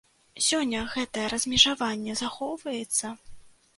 Сёння гэтае размежаванне захоўваецца?